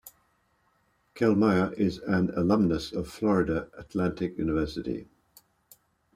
Kellmeyer is an alumnus of Florida Atlantic University.